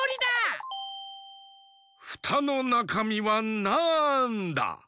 フタのなかみはなんだ？